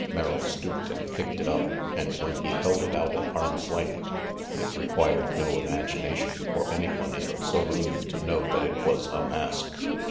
Merrill stooped and picked it up, and when he held it out at arm's length, it required no imagination for any one in the saloon to know that it was a mask.